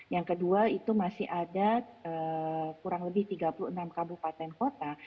yang kedua itu masih ada kurang lebih tiga puluh enam kabupaten kota